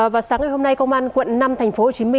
vào sáng ngày hôm nay công an quận năm tp hcm